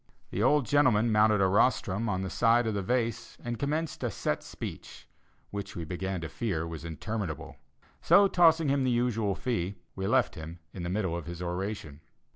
The old gentleman mounted a rostrum at the side of the vase, and commenced a set speech, which we began to fear was interminable; so tossing him the usual fee, we left him in the middle of his oration.